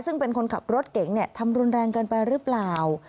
ซึ่งเป็นคนขับรถเก๋งทำรุนแรงเกินไปหรือเปล่า